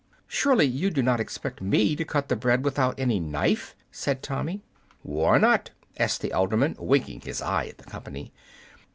"Surely you do not expect me to cut the bread without any knife!" said Tommy. "Why not?" asked the alderman, winking his eye at the company.